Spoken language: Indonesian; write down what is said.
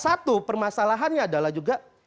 satu permasalahannya adalah juga